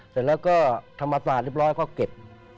เสร็จแล้วก็ธรรมศาสตร์เรียบร้อยก็เก็บ